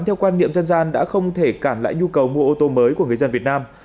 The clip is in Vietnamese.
theo quan niệm dân gian đã không thể cản lại nhu cầu mua ô tô mới của người dân việt nam